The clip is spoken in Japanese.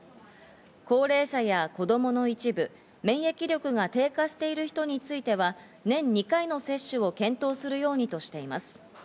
高齢者や子供の一部、免疫力が低下している人については、年２回の接種を検討するようにとしています。